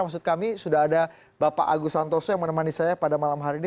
maksud kami sudah ada bapak agus santoso yang menemani saya pada malam hari ini